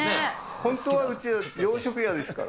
本当はうちは洋食屋ですから。